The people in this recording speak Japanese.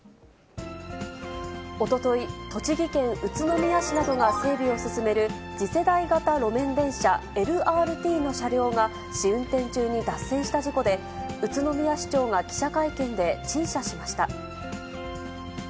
おととい、栃木県宇都宮市などが整備を進める次世代型路面電車、ＬＲＴの車両が試運転中に脱線した事故で、宇都宮市長が記者会見で陳謝しました。